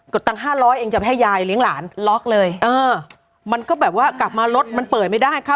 ตังห้าร้อยเองจะไปให้ยายเลี้ยงหลานล็อกเลยเออมันก็แบบว่ากลับมารถมันเปิดไม่ได้ค่ะ